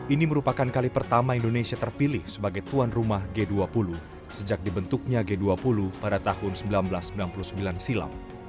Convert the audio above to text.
ini merupakan kali pertama indonesia terpilih sebagai tuan rumah g dua puluh sejak dibentuknya g dua puluh pada tahun seribu sembilan ratus sembilan puluh sembilan silam